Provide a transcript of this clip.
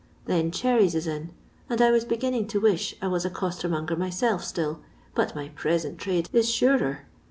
Then cherries is in ; and I was beginning to wish I was a costermonger myself still, but my present trade is suret'.